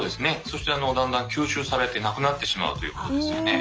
そしてだんだん吸収されてなくなってしまうということですよね。